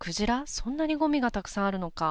そんなにごみがたくさんあるのかぁ。